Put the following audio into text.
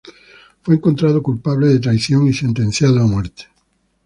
Fue encontrado culpable de traición y sentenciado a muerte.